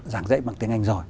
giảng dạy bằng tiếng anh rồi